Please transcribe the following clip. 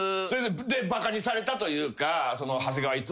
それでバカにされたというか。